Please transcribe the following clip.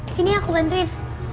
sini aku bantuin